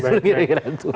itu kira kira itu